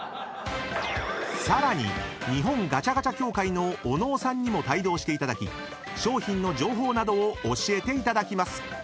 ［さらに日本ガチャガチャ協会の小野尾さんにも帯同していただき商品の情報などを教えていただきます］